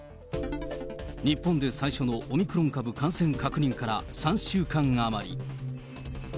日本で最初のオミクロン株感染確認から３週間余り。